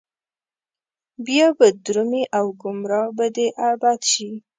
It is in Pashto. بيا به درومي او ګمراه به د ابد شي